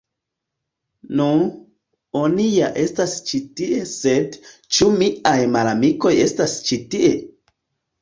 Nu.. Oni ja estas ĉi tie sed ĉu miaj malamikoj estas ĉi tie?